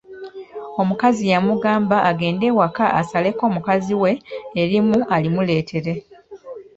Omukazi yamugamba agende ewaka asaleko mukazi we erimu alimuleetere.